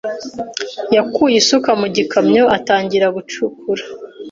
yakuye isuka mu gikamyo atangira gucukura.